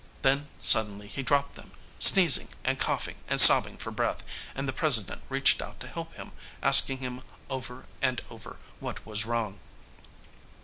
Then suddenly he dropped them, sneezing and coughing and sobbing for breath, and the President reached out to help him, asking him over and over what was wrong.